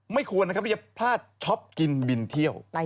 ไม่ควรนะครับที่จะพลาดช็อปกินบินเที่ยว